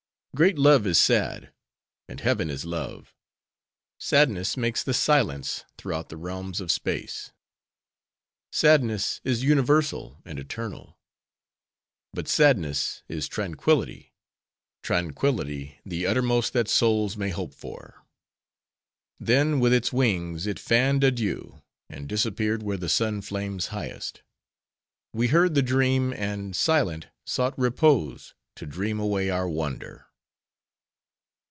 Great Love is sad; and heaven is Love. Sadness makes the silence throughout the realms of space; sadness is universal and eternal; but sadness is tranquillity; tranquillity the uttermost that souls may hope for.' "Then, with its wings it fanned adieu; and disappeared where the sun flames highest." We heard the dream and, silent, sought repose, to dream away our wonder.